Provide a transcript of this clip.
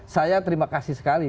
saya terima kasih sekali